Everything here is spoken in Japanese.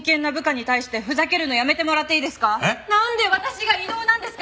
なんで私が異動なんですか！